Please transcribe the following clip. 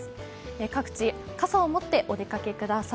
各地、傘を持ってお出かけください